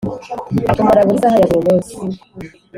tumara buri saha ya buri munsi,